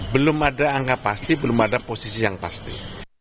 belum ada angka pasti belum ada posisi yang pasti